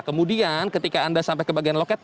kemudian ketika anda sampai ke bagian loket